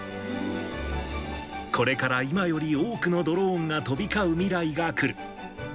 これから今より多くのドローンが飛び交う未来が来る。